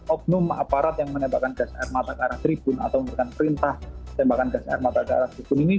oknum aparat yang menembakkan gas air mata ke arah tribun atau memberikan perintah tembakan gas air mata ke arah tribun ini